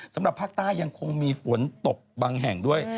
สำหรับภาคใต้ยังคงมีฝนตกบางแห่งด้วย